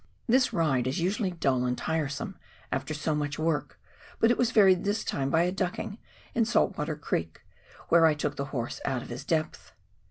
This ride is usually dull and tiresome after so much work, but it was varied this time by a ducking in Saltwater Creek, where I took the horse out of his depth.